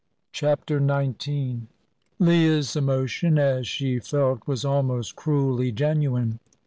CHAPTER XIX Leah's emotion as she felt was almost cruelly genuine.